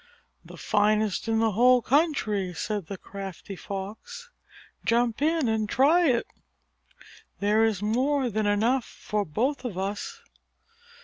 "The finest in the whole country," said the crafty Fox, "jump in and try it. There is more than enough for both of us."